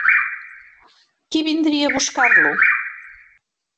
Qui vindria a buscar-lo?